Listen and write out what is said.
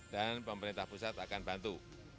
dan pemerintah pusat akan bantu